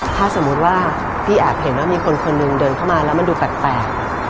ถ้าสมมุติว่าพี่แอบเห็นว่ามีคนคนหนึ่งเดินเข้ามาแล้วมันดูแปลก